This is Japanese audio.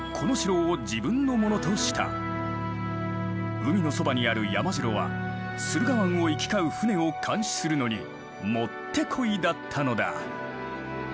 海のそばにある山城は駿河湾を行き交う船を監視するのにもってこいだったのだ。